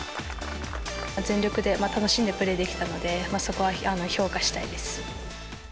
全力で楽しんでプレーできたので、そこは評価したいです。